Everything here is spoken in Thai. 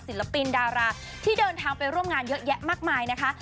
ศิลปินดาราที่เดินทางไปร่วมงานเยอะแยะมากมายนะคะ